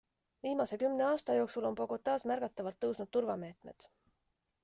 Viimase kümne aasta jooksul on Bogotas märgatavalt tõusnud turvameetmed.